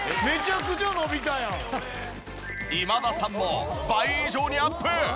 今田さんも倍以上にアップ！